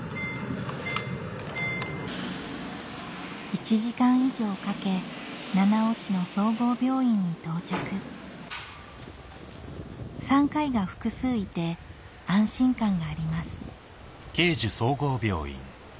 １時間以上かけ七尾市の総合病院に到着産科医が複数いて安心感があります